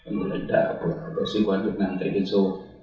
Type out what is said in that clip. một lãnh đạo của bộ sứ quán việt nam tây tiên sô